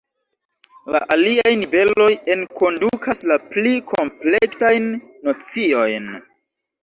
La aliaj niveloj enkondukas la pli kompleksajn nociojn.